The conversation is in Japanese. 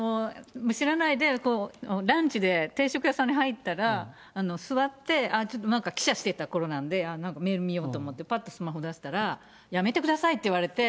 知らないで、ランチで、定食屋さんに入ったら、座って、ちょっと記者してたころなんで、なんか、メール見ようと思って、ぱっとスマホ出したら、やめてくださいって言われて。